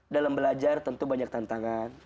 dalam belajar tentu banyak tantangan